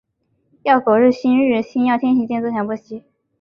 要苟日新，日日新。要天行健，自强不息。